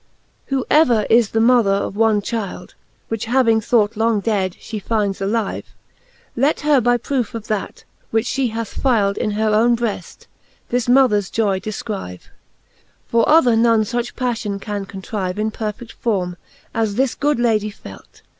Who ever is the mother of one chylde, Which having thought long dead, fhe fyndes alive, Let her by proofe of that, which fhe hath fylde In her owne breaft, this mothers joy defcrive : For other none fuch paflion can contrive In perfed forme, as this good I/ady felt.